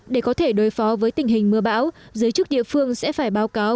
để có thể đối phó với tình hình mưa bão giới chức địa phương sẽ phải báo cáo